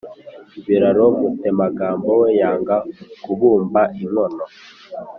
Biraro Mutemangando we, yanga kubumba inkono,